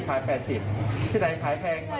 เท่าไหร่ขายแยก